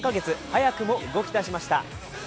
早くも動きだしました。